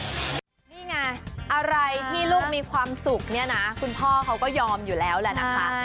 นี่ไงอะไรที่ลูกมีความสุขเนี่ยนะคุณพ่อเขาก็ยอมอยู่แล้วแหละนะคะ